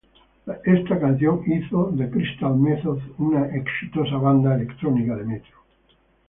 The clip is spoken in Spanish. Esta canción hizo The Crystal Method una exitosa banda electrónica de metro.